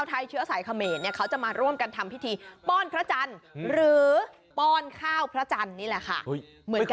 ไทยเชื้อสายเขมรเนี่ยเขาจะมาร่วมกันทำพิธีป้อนพระจันทร์หรือป้อนข้าวพระจันทร์นี่แหละค่ะ